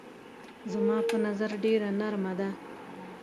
زما په نظر ډېره نرمه ده.